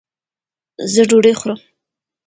زۀ ډوډۍ خورم